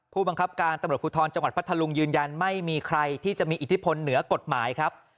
ผู้บังคับการตำรวจภูทรจังหวัดพัทธลุงยืนยันไม่มีใครที่จะมีอิทธิพลเหนือกฎหมายครับ